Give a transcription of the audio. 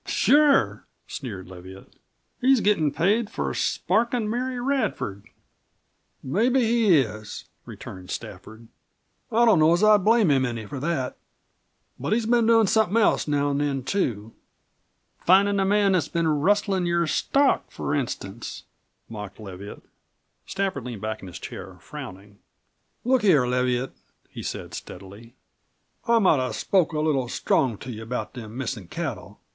"Sure," sneered Leviatt; "he's gettin' paid for sparkin' Mary Radford." "Mebbe he is," returned Stafford. "I don't know as I'd blame him any for that. But he's been doin' somethin' else now an' then, too." "Findin' the man that's been rustlin' your stock, for instance," mocked Leviatt. Stafford leaned back in his chair, frowning. "Look here, Leviatt," he said steadily. "I might have spoke a little strong to you about them missin' cattle.